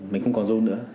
mình không còn rui nữa